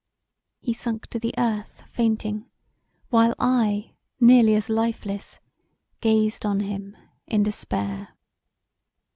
He sunk to the earth fainting, while I, nearly as lifeless, gazed on him in despair.